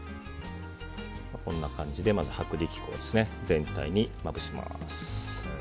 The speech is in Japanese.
こんな感じで、まず薄力粉を全体にまぶします。